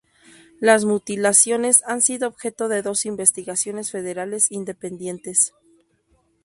Las mutilaciones han sido objeto de dos investigaciones federales independientes.